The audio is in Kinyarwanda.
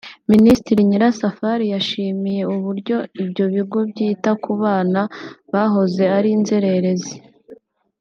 Minisitiri Nyirasafari yashimye uburyo ibyo bigo byita ku bana bahoze ari inzererezi